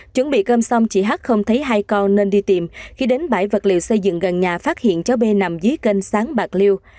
chuẩn bị cơm xong chị h không thấy hai con nên đi tìm khi đến bãi vật liệu xây dựng gần nhà phát hiện cháu b nằm dưới kênh sáng bạc liêu